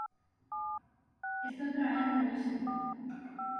Estou traballando niso!